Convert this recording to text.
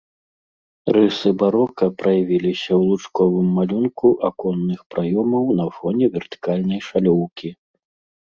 Рысы барока праявіліся ў лучковым малюнку аконных праёмаў на фоне вертыкальнай шалёўкі.